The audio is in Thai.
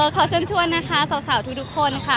ขอเชิญชวนนะคะสาวทุกคนค่ะ